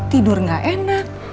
tidur gak enak